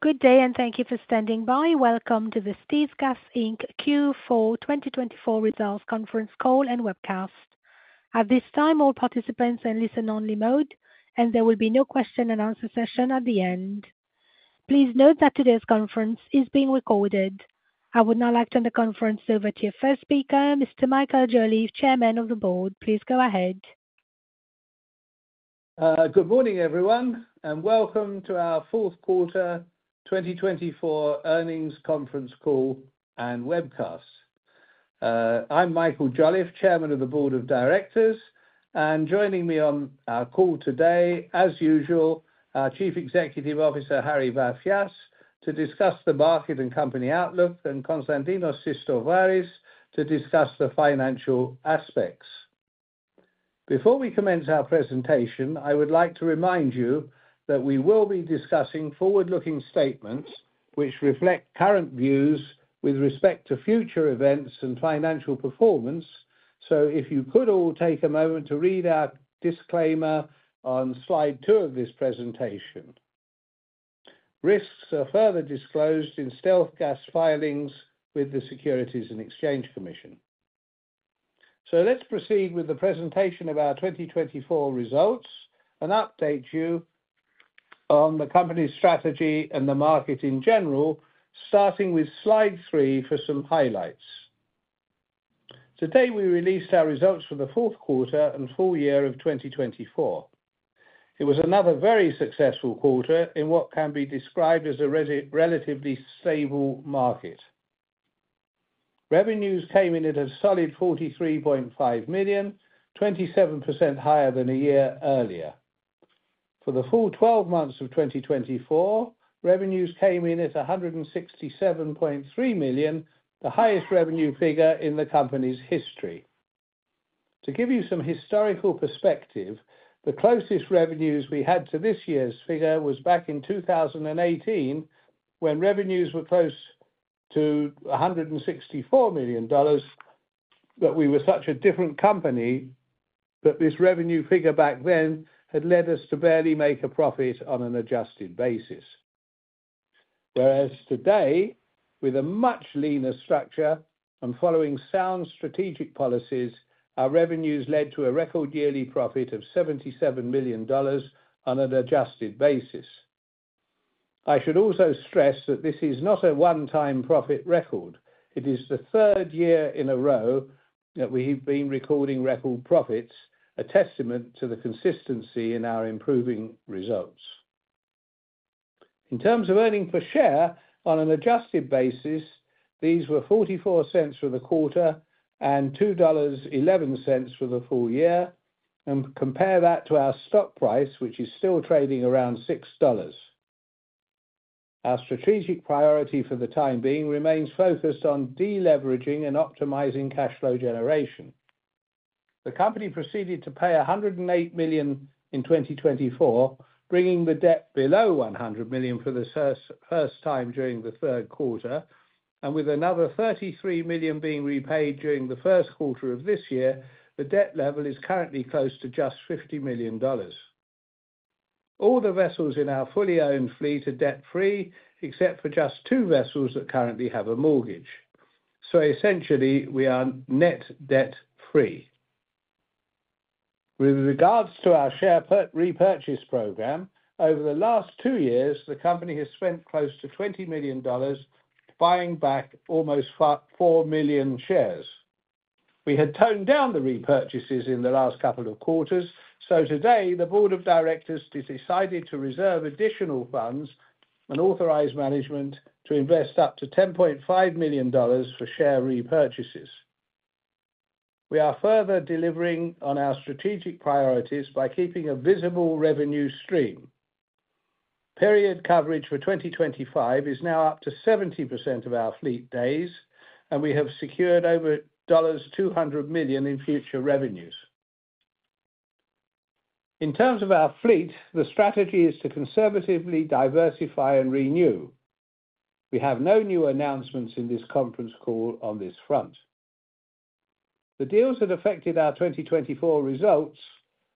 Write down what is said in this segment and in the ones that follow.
Good day, and thank you for standing by. Welcome to the StealthGas Q4 2024 results conference call and webcast. At this time, all participants are in listen-only mode, and there will be no question-and-answer session at the end. Please note that today's conference is being recorded. I would now like to turn the conference over to your first speaker, Mr. Michael Jolliffe, Chairman of the Board. Please go ahead. Good morning, everyone, and welcome to our fourth quarter 2024 earnings conference call and webcast. I'm Michael Jolliffe, Chairman of the Board of Directors, and joining me on our call today, as usual, our Chief Executive Officer, Harry Vafias, to discuss the market and company outlook, and Konstantinos Sistovaris, to discuss the financial aspects. Before we commence our presentation, I would like to remind you that we will be discussing forward-looking statements which reflect current views with respect to future events and financial performance. If you could all take a moment to read our disclaimer on slide two of this presentation. Risks are further disclosed in StealthGas filings with the Securities and Exchange Commission. Let's proceed with the presentation of our 2024 results and update you on the company's strategy and the market in general, starting with slide three for some highlights. Today, we released our results for the fourth quarter and full year of 2024. It was another very successful quarter in what can be described as a relatively stable market. Revenues came in at a solid $43.5 million, 27% higher than a year earlier. For the full 12 months of 2024, revenues came in at $167.3 million, the highest revenue figure in the company's history. To give you some historical perspective, the closest revenues we had to this year's figure was back in 2018, when revenues were close to $164 million, but we were such a different company that this revenue figure back then had led us to barely make a profit on an adjusted basis. Whereas today, with a much leaner structure and following sound strategic policies, our revenues led to a record yearly profit of $77 million on an adjusted basis. I should also stress that this is not a one-time profit record. It is the third year in a row that we have been recording record profits, a testament to the consistency in our improving results. In terms of earnings per share on an adjusted basis, these were $0.44 for the quarter and $2.11 for the full year. Compare that to our stock price, which is still trading around $6. Our strategic priority for the time being remains focused on deleveraging and optimizing cash flow generation. The company proceeded to pay $108 million in 2024, bringing the debt below $100 million for the first time during the third quarter. With another $33 million being repaid during the first quarter of this year, the debt level is currently close to just $50 million. All the vessels in our fully owned fleet are debt-free, except for just two vessels that currently have a mortgage. Essentially, we are net debt-free. With regards to our share repurchase program, over the last two years, the company has spent close to $20 million buying back almost 4 million shares. We had toned down the repurchases in the last couple of quarters. Today, the Board of Directors decided to reserve additional funds and authorize management to invest up to $10.5 million for share repurchases. We are further delivering on our strategic priorities by keeping a visible revenue stream. Period coverage for 2025 is now up to 70% of our fleet days, and we have secured over $200 million in future revenues. In terms of our fleet, the strategy is to conservatively diversify and renew. We have no new announcements in this conference call on this front. The deals that affected our 2024 results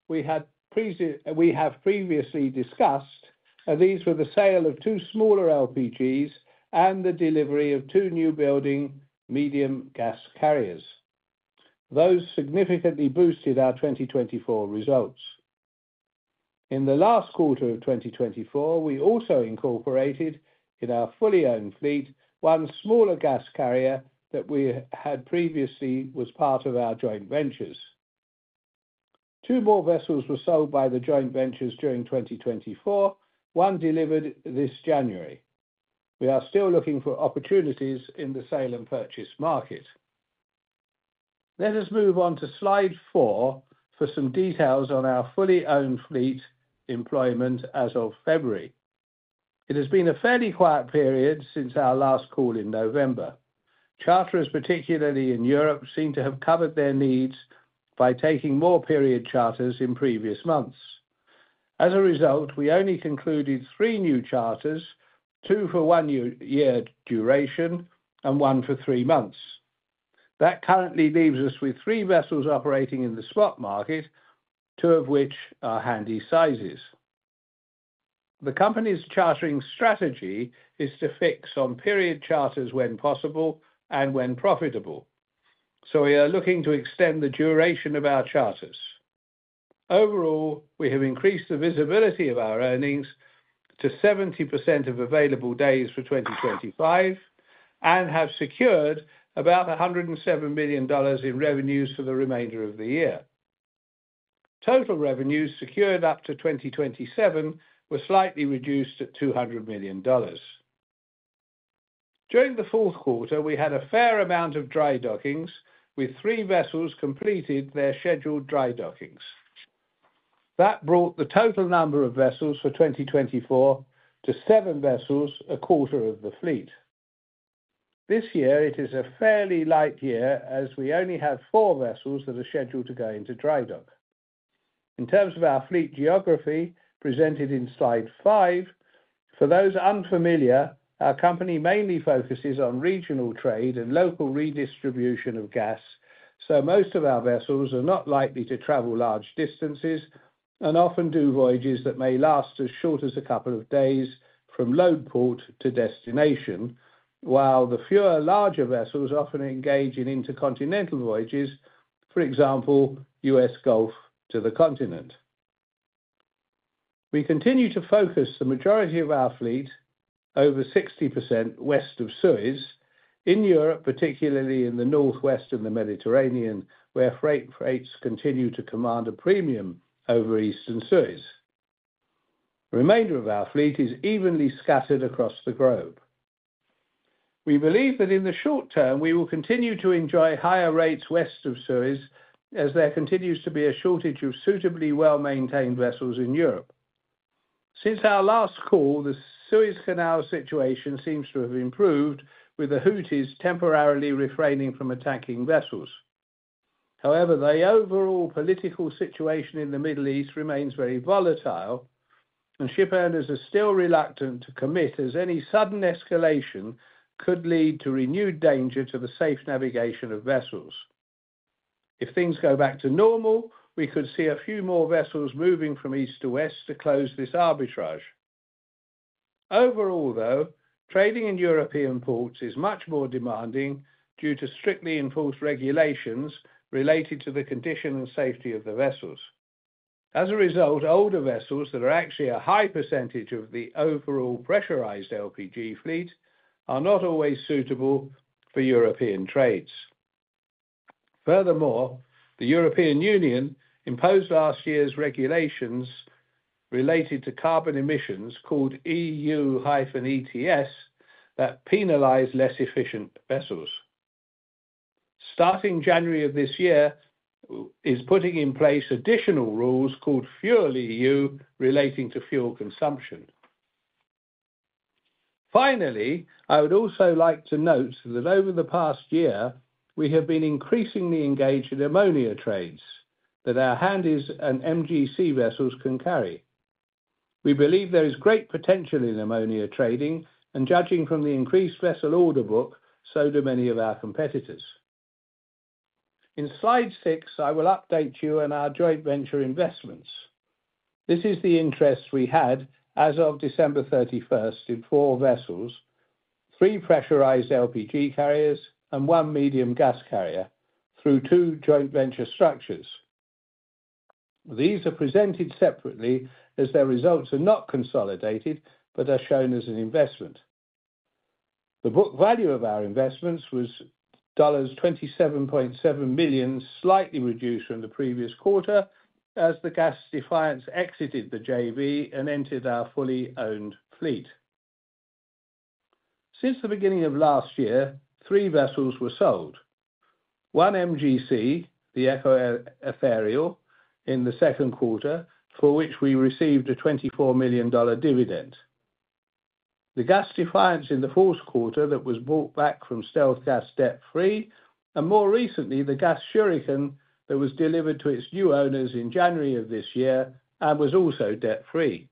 we have previously discussed, and these were the sale of two smaller LPGs and the delivery of two new building Medium Gas Carriers. Those significantly boosted our 2024 results. In the last quarter of 2024, we also incorporated in our fully owned fleet one smaller gas carrier that we had previously was part of our joint ventures. Two more vessels were sold by the joint ventures during 2024. One delivered this January. We are still looking for opportunities in the sale and purchase market. Let us move on to slide four for some details on our fully owned fleet employment as of February. It has been a fairly quiet period since our last call in November. Charters, particularly in Europe, seem to have covered their needs by taking more period charters in previous months. As a result, we only concluded three new charters, two for one year duration and one for three months. That currently leaves us with three vessels operating in the spot market, two of which are Handysizes. The company's chartering strategy is to fix on period charters when possible and when profitable. We are looking to extend the duration of our charters. Overall, we have increased the visibility of our earnings to 70% of available days for 2025 and have secured about $107 million in revenues for the remainder of the year. Total revenues secured up to 2027 were slightly reduced at $200 million. During the fourth quarter, we had a fair amount of dry dockings, with three vessels completed their scheduled dry dockings. That brought the total number of vessels for 2024 to seven vessels, a quarter of the fleet. This year, it is a fairly light year as we only have four vessels that are scheduled to go into dry dock. In terms of our fleet geography, presented in slide five, for those unfamiliar, our company mainly focuses on regional trade and local redistribution of gas. Most of our vessels are not likely to travel large distances and often do voyages that may last as short as a couple of days from load port to destination, while the fewer larger vessels often engage in intercontinental voyages, for example, US Gulf to the Continent. We continue to focus the majority of our fleet, over 60% West of Suez, in Europe, particularly in the northwest and the Mediterranean, where freight rates continue to command a premium over Eastern Suez. The remainder of our fleet is evenly scattered across the globe. We believe that in the short term, we will continue to enjoy higher rates West of Suez as there continues to be a shortage of suitably well-maintained vessels in Europe. Since our last call, the Suez Canal situation seems to have improved, with the Houthis temporarily refraining from attacking vessels. However, the overall political situation in the Middle East remains very volatile, and shipowners are still reluctant to commit, as any sudden escalation could lead to renewed danger to the safe navigation of vessels. If things go back to normal, we could see a few more vessels moving from east to west to close this arbitrage. Overall, though, trading in European ports is much more demanding due to strictly enforced regulations related to the condition and safety of the vessels. As a result, older vessels that are actually a high percentage of the overall pressurized LPG fleet are not always suitable for European trades. Furthermore, the European Union imposed last year's regulations related to carbon emissions called EU-ETS that penalize less efficient vessels. Starting January of this year, it is putting in place additional rules called FuelEU relating to fuel consumption. Finally, I would also like to note that over the past year, we have been increasingly engaged in ammonia trades that our Handies and MGC vessels can carry. We believe there is great potential in ammonia trading, and judging from the increased vessel order book, so do many of our competitors. In slide six, I will update you on our joint venture investments. This is the interest we had as of December 31 in four vessels, three pressurized LPG carriers, and one Medium Gas Carrier through two joint venture structures. These are presented separately as their results are not consolidated but are shown as an investment. The book value of our investments was $27.7 million, slightly reduced from the previous quarter as the Gas Defiance exited the JV and entered our fully owned fleet. Since the beginning of last year, three vessels were sold: one MGC, the Eco Ethereal, in the second quarter, for which we received a $24 million dividend; the Gas Defiance in the fourth quarter that was bought back from StealthGas debt-free; and more recently, the Gas Shuriken that was delivered to its new owners in January of this year and was also debt-free.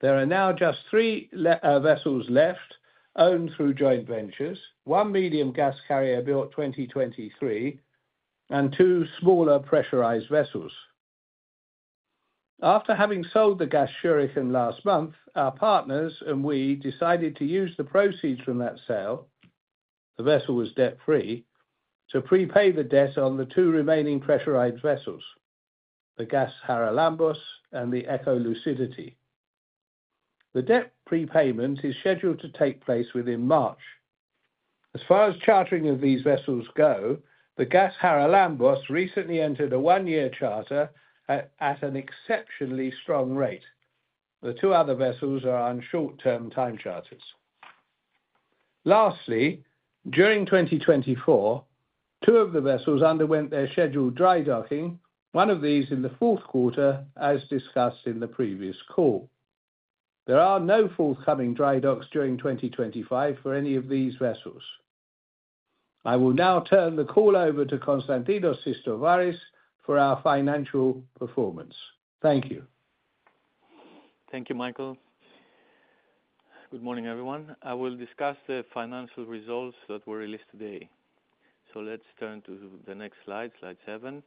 There are now just three vessels left owned through joint ventures: One Medium Gas Carrier built 2023 and two smaller pressurized vessels. After having sold the Gas Shuriken last month, our partners and we decided to use the proceeds from that sale, the vessel was debt-free, to prepay the debt on the two remaining pressurized vessels, the Gas Haralambos and the Eco Lucidity. The debt prepayment is scheduled to take place within March. As far as chartering of these vessels goes, the Gas Haralambos recently entered a one-year charter at an exceptionally strong rate. The two other vessels are on short-term time charters. Lastly, during 2024, two of the vessels underwent their scheduled dry docking, one of these in the fourth quarter, as discussed in the previous call. There are no forthcoming dry docks during 2025 for any of these vessels. I will now turn the call over to Konstantinos Sistovaris for our financial performance. Thank you. Thank you, Michael. Good morning, everyone. I will discuss the financial results that were released today. Let's turn to the next slide, slide seven,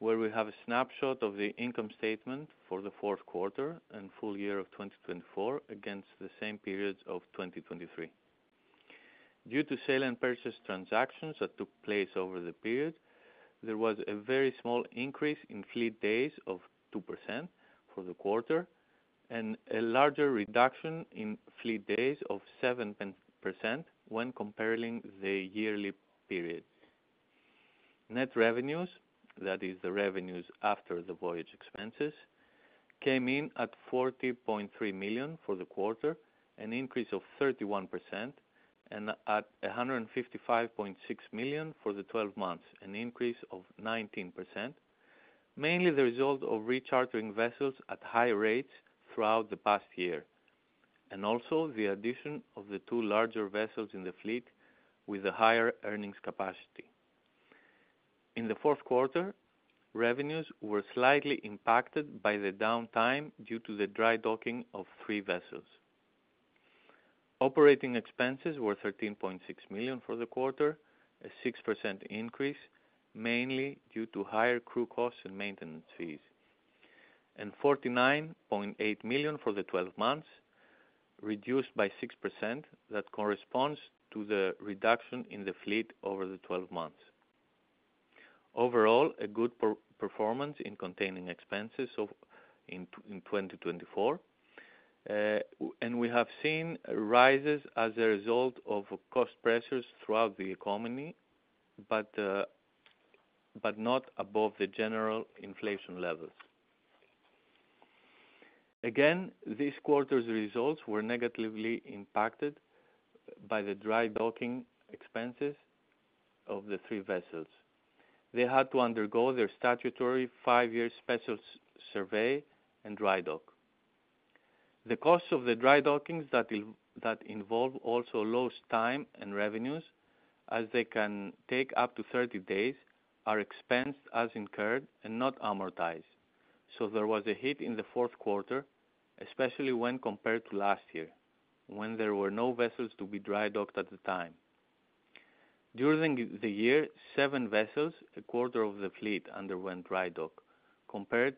where we have a snapshot of the income statement for the fourth quarter and full year of 2024 against the same periods of 2023. Due to sale and purchase transactions that took place over the period, there was a very small increase in fleet days of 2% for the quarter and a larger reduction in fleet days of 7% when comparing the yearly period. Net revenues, that is, the revenues after the voyage expenses, came in at $40.3 million for the quarter, an increase of 31%, and at $155.6 million for the 12 months, an increase of 19%, mainly the result of rechartering vessels at high rates throughout the past year and also the addition of the two larger vessels in the fleet with a higher earnings capacity. In the fourth quarter, revenues were slightly impacted by the downtime due to the dry docking of three vessels. Operating expenses were $13.6 million for the quarter, a 6% increase, mainly due to higher crew costs and maintenance fees, and $49.8 million for the 12 months, reduced by 6%. That corresponds to the reduction in the fleet over the 12 months. Overall, a good performance in containing expenses in 2024, and we have seen rises as a result of cost pressures throughout the economy, but not above the general inflation levels. Again, this quarter's results were negatively impacted by the dry docking expenses of the three vessels. They had to undergo their statutory five-year special survey and dry dock. The costs of the dry dockings that involve also lost time and revenues, as they can take up to 30 days, are expensed as incurred and not amortized. There was a hit in the fourth quarter, especially when compared to last year, when there were no vessels to be dry docked at the time. During the year, seven vessels, a quarter of the fleet, underwent dry dock compared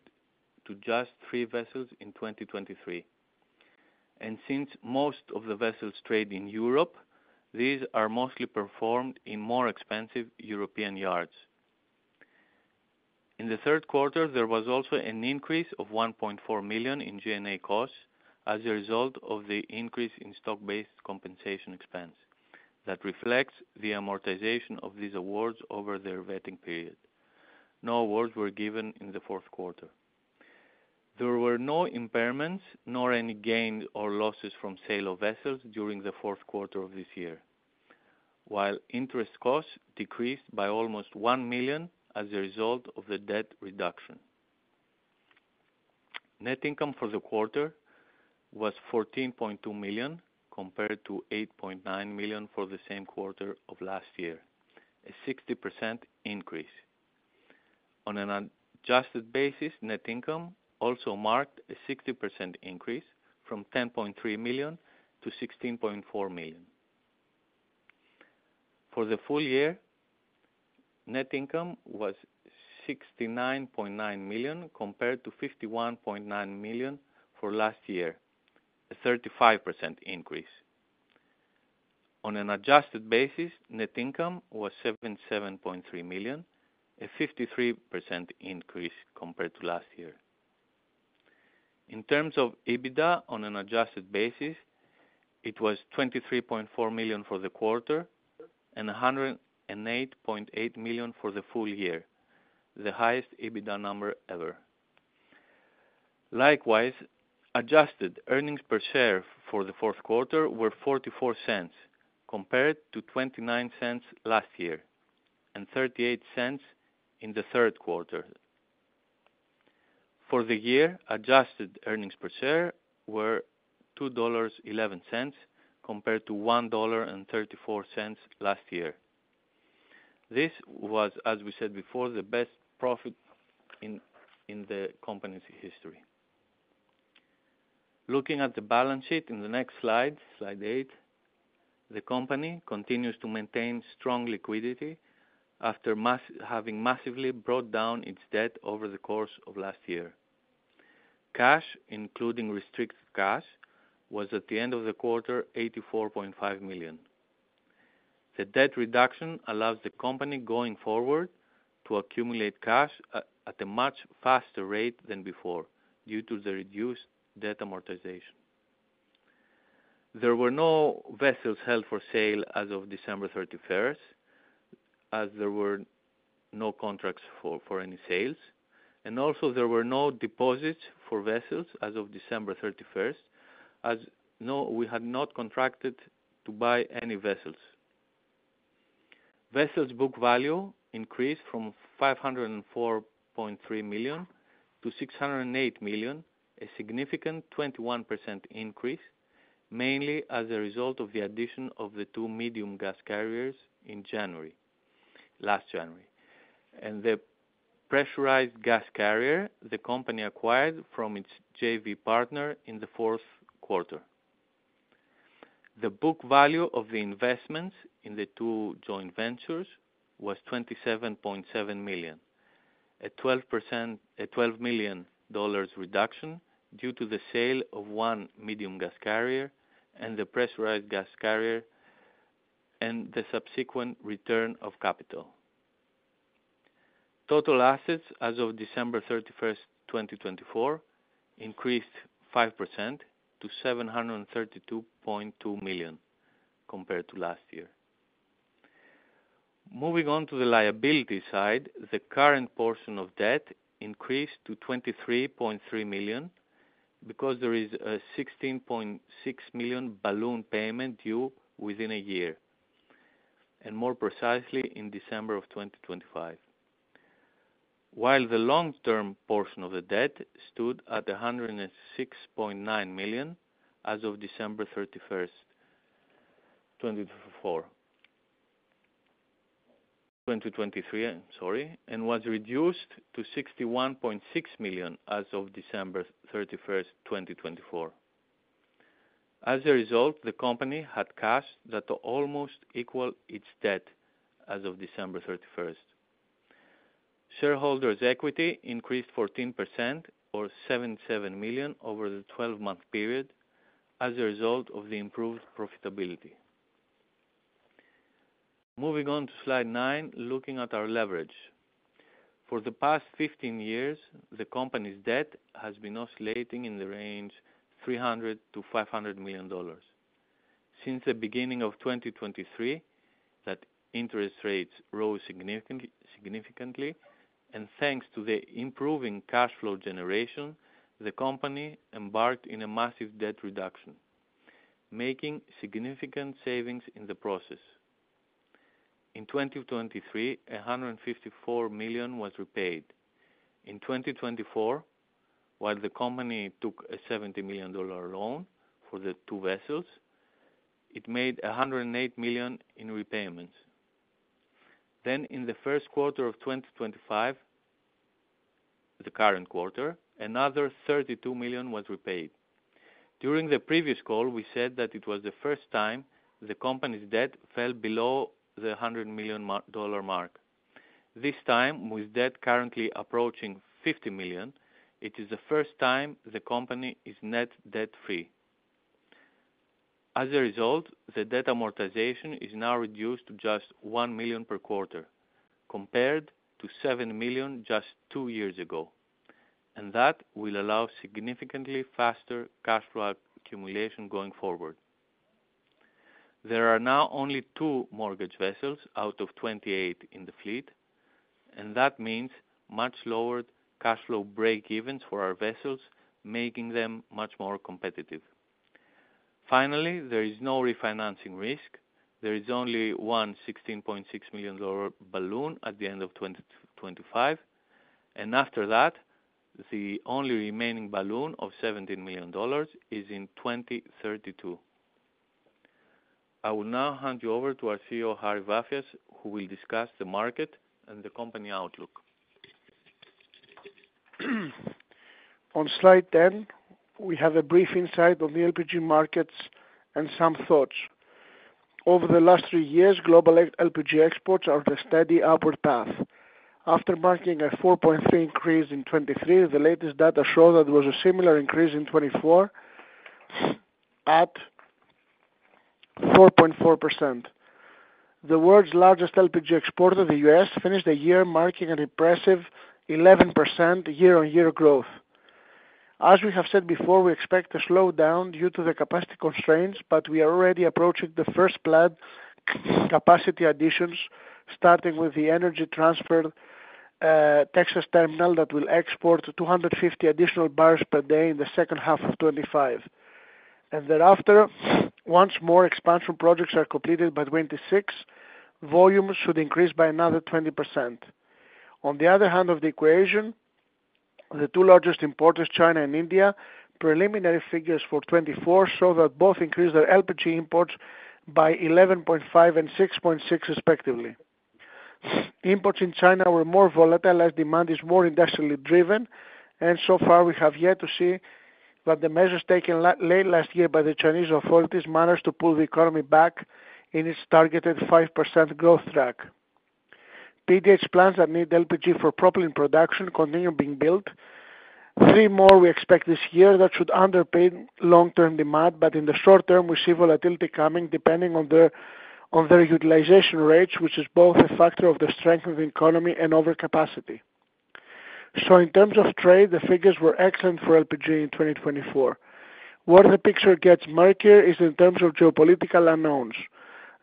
to just three vessels in 2023. Since most of the vessels trade in Europe, these are mostly performed in more expensive European yards. In the third quarter, there was also an increase of $1.4 million in G&A costs as a result of the increase in stock-based compensation expense that reflects the amortization of these awards over their vesting period. No awards were given in the fourth quarter. There were no impairments nor any gains or losses from sale of vessels during the fourth quarter of this year, while interest costs decreased by almost $1 million as a result of the debt reduction. Net income for the quarter was $14.2 million compared to $8.9 million for the same quarter of last year, a 60% increase. On an adjusted basis, net income also marked a 60% increase from $10.3 million to $16.4 million. For the full year, net income was $69.9 million compared to $51.9 million for last year, a 35% increase. On an adjusted basis, net income was $77.3 million, a 53% increase compared to last year. In terms of EBITDA, on an adjusted basis, it was $23.4 million for the quarter and $108.8 million for the full year, the highest EBITDA number ever. Likewise, adjusted earnings per share for the fourth quarter were $0.44 compared to $0.29 last year and $0.38 in the third quarter. For the year, adjusted earnings per share were $2.11 compared to $1.34 last year. This was, as we said before, the best profit in the company's history. Looking at the balance sheet in the next slide, slide eight, the company continues to maintain strong liquidity after having massively brought down its debt over the course of last year. Cash, including restricted cash, was at the end of the quarter $84.5 million. The debt reduction allows the company going forward to accumulate cash at a much faster rate than before due to the reduced debt amortization. There were no vessels held for sale as of December 31, as there were no contracts for any sales. There were no deposits for vessels as of December 31, as we had not contracted to buy any vessels. Vessels' book value increased from $504.3 million to $608 million, a significant 21% increase, mainly as a result of the addition of the Two Medium Gas Carriers in last January and the pressurized gas carrier the company acquired from its JV partner in the fourth quarter. The book value of the investments in the two joint ventures was $27.7 million, a $12 million reduction due to the sale of One Medium Gas Carrier and the Pressurized Gas Carrier and the subsequent return of capital. Total assets as of December 31, 2024, increased 5% to $732.2 million compared to last year. Moving on to the liability side, the current portion of debt increased to $23.3 million because there is a $16.6 million balloon payment due within a year, and more precisely in December of 2025, while the long-term portion of the debt stood at $106.9 million as of December 31, 2023, and was reduced to $61.6 million as of December 31, 2024. As a result, the company had cash that almost equaled its debt as of December 31. Shareholders' equity increased 14% or $77 million over the 12-month period as a result of the improved profitability. Moving on to slide nine, looking at our leverage. For the past 15 years, the company's debt has been oscillating in the range of $300 million-$500 million. Since the beginning of 2023, that interest rates rose significantly, and thanks to the improving cash flow generation, the company embarked on a massive debt reduction, making significant savings in the process. In 2023, $154 million was repaid. In 2024, while the company took a $70 million loan for the two vessels, it made $108 million in repayments. In the first quarter of 2025, the current quarter, another $32 million was repaid. During the previous call, we said that it was the first time the company's debt fell below the $100 million mark. This time, with debt currently approaching $50 million, it is the first time the company is net debt-free. As a result, the debt amortization is now reduced to just $1 million per quarter compared to $7 million just two years ago, and that will allow significantly faster cash flow accumulation going forward. There are now only two mortgage vessels out of 28 in the fleet, and that means much lowered cash flow break-evens for our vessels, making them much more competitive. Finally, there is no refinancing risk. There is only one $16.6 million balloon at the end of 2025, and after that, the only remaining balloon of $17 million is in 2032. I will now hand you over to our CEO, Harry Vafias, who will discuss the market and the company outlook. On slide 10, we have a brief insight on the LPG markets and some thoughts. Over the last three years, global LPG exports are on a steady upward path. After marking a 4.3% increase in 2023, the latest data shows that there was a similar increase in 2024 at 4.4%. The world's largest LPG exporter, the US, finished the year marking an impressive 11% year-on-year growth. As we have said before, we expect a slowdown due to the capacity constraints, but we are already approaching the first-plant capacity additions, starting with the Energy Transfer Texas terminal that will export 250 additional barrels per day in the second half of 2025. Thereafter, once more expansion projects are completed by 2026, volumes should increase by another 20%. On the other hand of the equation, the two largest importers, China and India, preliminary figures for 2024 show that both increased their LPG imports by 11.5% and 6.6%, respectively. Imports in China were more volatile as demand is more industrially driven, and so far, we have yet to see that the measures taken late last year by the Chinese authorities managed to pull the economy back in its targeted 5% growth track. PDH plants that need LPG for propylene production continue being built. Three more we expect this year that should underpin long-term demand, but in the short term, we see volatility coming depending on their utilization rates, which is both a factor of the strength of the economy and overcapacity. In terms of trade, the figures were excellent for LPG in 2024. Where the picture gets murkier is in terms of geopolitical unknowns.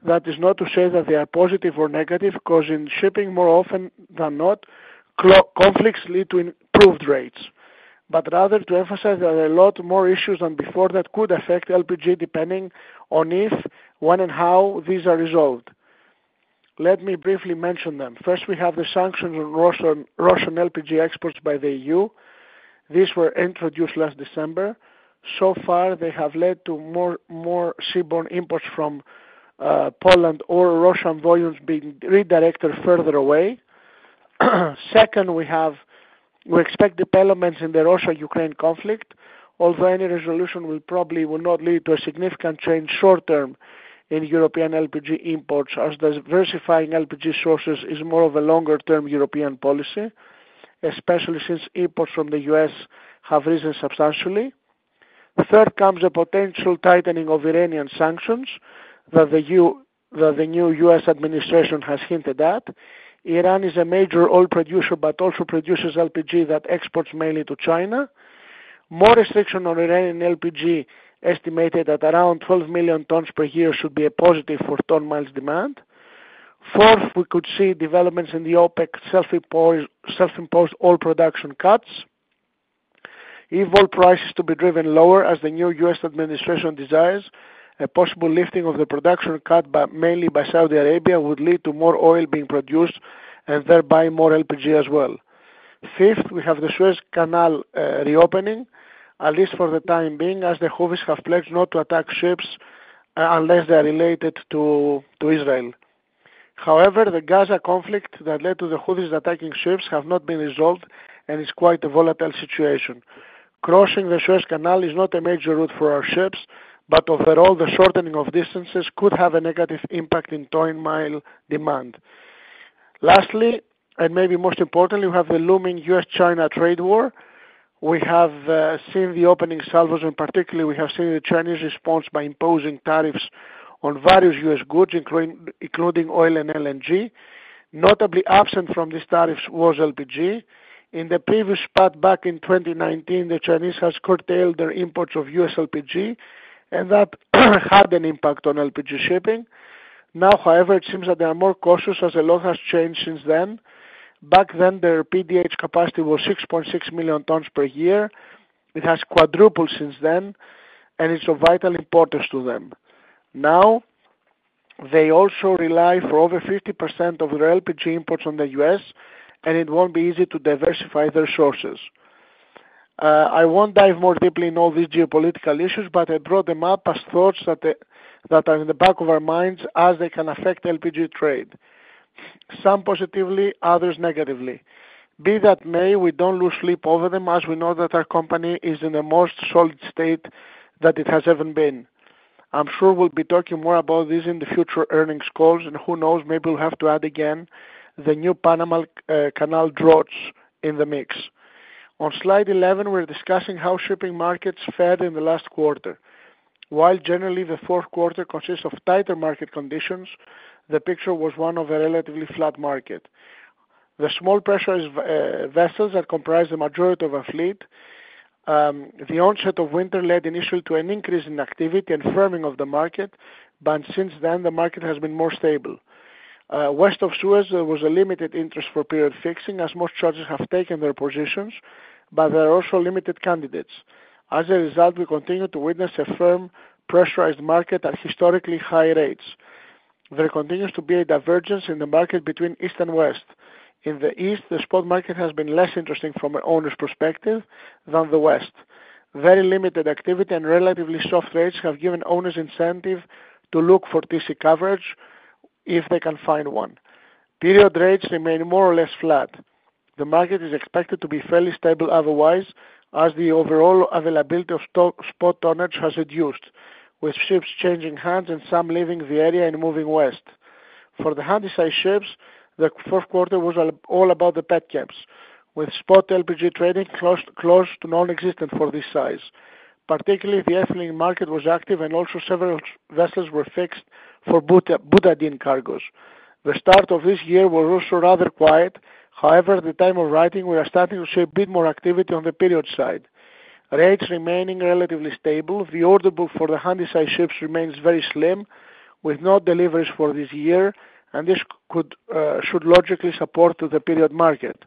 That is not to say that they are positive or negative, causing shipping more often than not conflicts lead to improved rates, but rather to emphasize that there are a lot more issues than before that could affect LPG depending on if, when, and how these are resolved. Let me briefly mention them. First, we have the sanctions on Russian LPG exports by the EU. These were introduced last December. So far, they have led to more seaborne imports from Poland or Russian volumes being redirected further away. Second, we expect developments in the Russia-Ukraine conflict, although any resolution will probably not lead to a significant change short-term in European LPG imports, as diversifying LPG sources is more of a longer-term European policy, especially since imports from the US have risen substantially. Third, comes a potential tightening of Iranian sanctions that the new US administration has hinted at. Iran is a major oil producer but also produces LPG that exports mainly to China. More restrictions on Iranian LPG, estimated at around 12 million tons per year, should be a positive for ton-miles demand. Fourth, we could see developments in the OPEC self-imposed oil production cuts. If oil prices are to be driven lower, as the new US administration desires, a possible lifting of the production cut, mainly by Saudi Arabia, would lead to more oil being produced and thereby more LPG as well. Fifth, we have the Suez Canal reopening, at least for the time being, as the Houthis have pledged not to attack ships unless they are related to Israel. However, the Gaza conflict that led to the Houthis attacking ships has not been resolved and is quite a volatile situation. Crossing the Suez Canal is not a major route for our ships, but overall, the shortening of distances could have a negative impact on ton-mile demand. Lastly, and maybe most importantly, we have the looming US-China trade war. We have seen the opening salvos, and particularly, we have seen the Chinese response by imposing tariffs on various US goods, including oil and LNG. Notably absent from these tariffs was LPG. In the previous spot back in 2019, the Chinese had curtailed their imports of US LPG, and that had an impact on LPG shipping. Now, however, it seems that they are more cautious as a lot has changed since then. Back then, their PDH capacity was 6.6 million tons per year. It has quadrupled since then, and it's of vital importance to them. Now, they also rely for over 50% of their LPG imports on the US, and it won't be easy to diversify their sources. I won't dive more deeply into all these geopolitical issues, but I brought them up as thoughts that are in the back of our minds as they can affect LPG trade. Some positively, others negatively. Be that may, we don't lose sleep over them as we know that our company is in the most solid state that it has ever been. I'm sure we'll be talking more about this in the future earnings calls, and who knows, maybe we'll have to add again the new Panama Canal draws in the mix. On slide 11, we're discussing how shipping markets fared in the last quarter. While generally the fourth quarter consists of tighter market conditions, the picture was one of a relatively flat market. The small pressurized vessels that comprise the majority of our fleet, the onset of winter led initially to an increase in activity and firming of the market, but since then, the market has been more stable. West of Suez, there was a limited interest for period fixing as most charterers have taken their positions, but there are also limited candidates. As a result, we continue to witness a firm pressurized market at historically high rates. There continues to be a divergence in the market between east and west. In the east, the spot market has been less interesting from an owner's perspective than the west. Very limited activity and relatively soft rates have given owners incentive to look for TC coverage if they can find one. Period rates remain more or less flat. The market is expected to be fairly stable otherwise as the overall availability of spot tonnage has reduced, with ships changing hands and some leaving the area and moving west. For the Handysize ships, the fourth quarter was all about the petchems, with spot LPG trading close to non-existent for this size. Particularly, the ethylene market was active, and also several vessels were fixed for butadiene cargoes. The start of this year was also rather quiet. However, at the time of writing, we are starting to see a bit more activity on the period side. Rates remaining relatively stable. The order book for the Handysize ships remains very slim, with no deliveries for this year, and this should logically support the period market.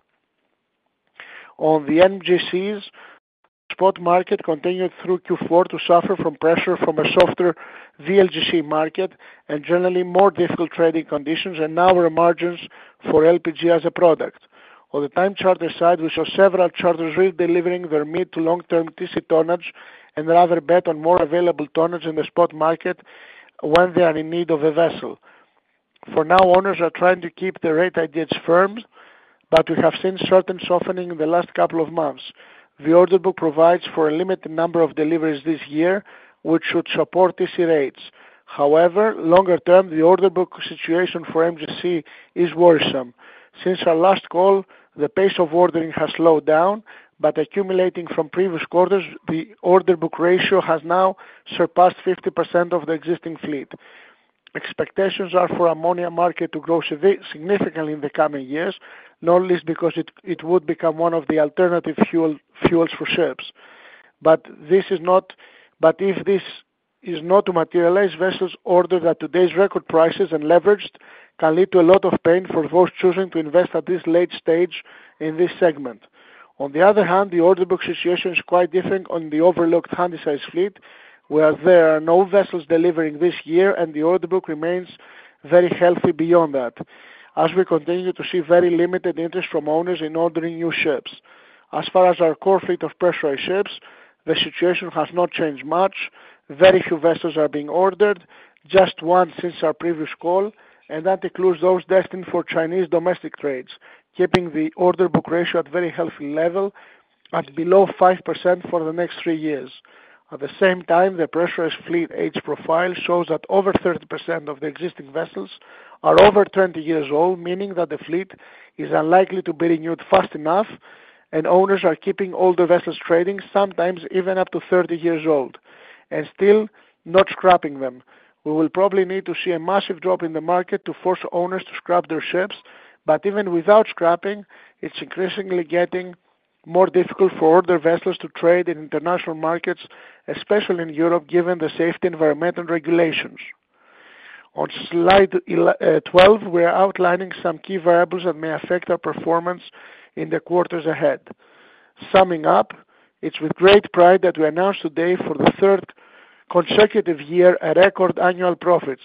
On the MGCs, spot market continued through Q4 to suffer from pressure from a softer VLGC market and generally more difficult trading conditions and narrower margins for LPG as a product. On the time charter side, we saw several charters redelivering their mid-to-long-term TC tonnage and rather bet on more available tonnage in the spot market when they are in need of a vessel. For now, owners are trying to keep the rate ideas firm, but we have seen certain softening in the last couple of months. The order book provides for a limited number of deliveries this year, which should support TC rates. However, longer term, the order book situation for MGC is worrisome. Since our last call, the pace of ordering has slowed down, but accumulating from previous quarters, the order book ratio has now surpassed 50% of the existing fleet. Expectations are for ammonia market to grow significantly in the coming years, not least because it would become one of the alternative fuels for ships. If this is not to materialize, vessels ordered at today's record prices and leveraged can lead to a lot of pain for those choosing to invest at this late stage in this segment. On the other hand, the order book situation is quite different on the overlooked Handysize fleet, where there are no vessels delivering this year, and the order book remains very healthy beyond that, as we continue to see very limited interest from owners in ordering new ships. As far as our core fleet of pressurized ships, the situation has not changed much. Very few vessels are being ordered, just one since our previous call, and that includes those destined for Chinese domestic trades, keeping the order book ratio at a very healthy level at below 5% for the next three years. At the same time, the pressurized fleet age profile shows that over 30% of the existing vessels are over 20 years old, meaning that the fleet is unlikely to be renewed fast enough, and owners are keeping older vessels trading, sometimes even up to 30 years old, and still not scrapping them. We will probably need to see a massive drop in the market to force owners to scrap their ships, but even without scrapping, it's increasingly getting more difficult for older vessels to trade in international markets, especially in Europe, given the safety environmental regulations. On slide 12, we are outlining some key variables that may affect our performance in the quarters ahead. Summing up, it's with great pride that we announced today, for the third consecutive year, record annual profits.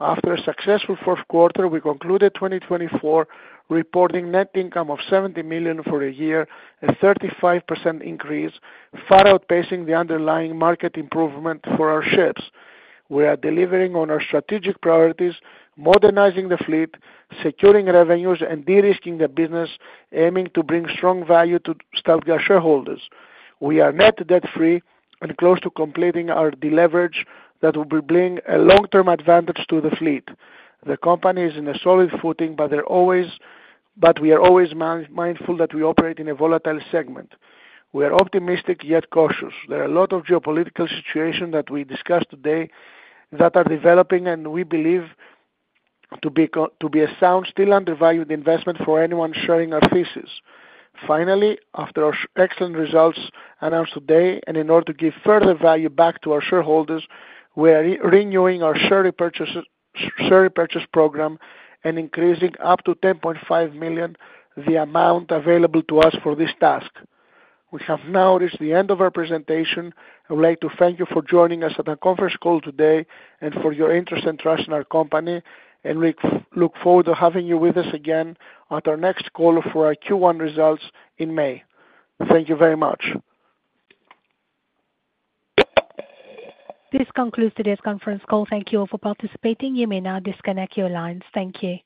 After a successful fourth quarter, we concluded 2024 reporting net income of $70 million for a year, a 35% increase, far outpacing the underlying market improvement for our ships. We are delivering on our strategic priorities, modernizing the fleet, securing revenues, and de-risking the business, aiming to bring strong value to StealthGas shareholders. We are net debt-free and close to completing our deleverage that will bring a long-term advantage to the fleet. The company is in a solid footing, but we are always mindful that we operate in a volatile segment. We are optimistic yet cautious. There are a lot of geopolitical situations that we discussed today that are developing, and we believe to be a sound, still undervalued investment for anyone sharing our thesis. Finally, after our excellent results announced today and in order to give further value back to our shareholders, we are renewing our share repurchase program and increasing up to $10.5 million the amount available to us for this task. We have now reached the end of our presentation. I would like to thank you for joining us at our conference call today and for your interest and trust in our company, and we look forward to having you with us again at our next call for our Q1 results in May. Thank you very much. This concludes today's conference call. Thank you all for participating. You may now disconnect your lines. Thank you.